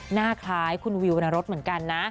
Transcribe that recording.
หน้าคล้ายคุณวิววรรณรสเหมือนกันนะ